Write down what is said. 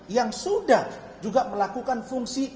yang sudah juga melakukan fungsi